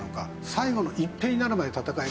最後の一兵になるまで戦え。